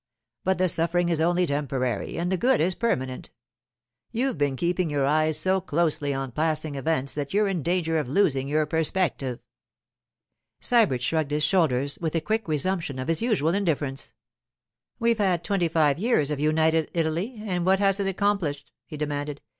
But the suffering is only temporary, and the good is permanent. You've been keeping your eyes so closely on passing events that you're in danger of losing your perspective.' Sybert shrugged his shoulders, with a quick resumption of his usual indifference. 'We've had twenty five years of United Italy, and what has it accomplished?' he demanded.